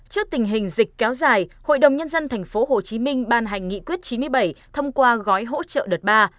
trước tình hình dịch kéo dài hội đồng nhân dân tp hcm ban hành nghị quyết chín mươi bảy thông qua gói hỗ trợ đợt ba